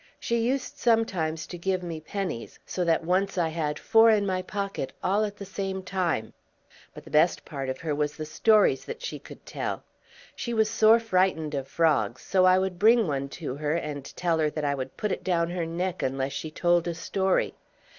She used sometimes to give me pennies, so that once I had four in my pocket all at the same time; but the best part of her was the stories that she could tell. She was sore frightened of frogs, so I would bring one to her, and tell her that I would put it down her neck unless she told a story.